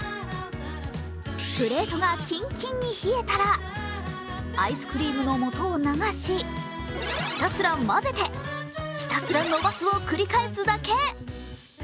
プレートがキンキンに冷えたらアイスクリームの素を流しひたすら混ぜて、ひたすら伸ばすを繰り返すだけ。